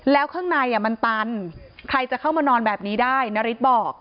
แล้วข้างในมันตันใครจะเข้ามานอนแบบนี้ได้นาริสบอก